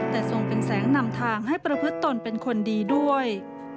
แต่ทรงเป็นแสงนำทางให้ประพฤติตนเป็นคนดีด้วย